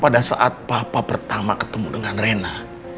pada saat papa pertama ketemu dengan rena